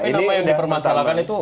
tapi apa yang dipermasalahkan itu